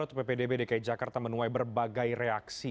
untuk ppdb dki jakarta menunai berbagai reaksi